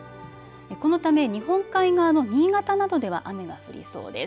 このため日本海側の新潟などでは雨が降りそうです。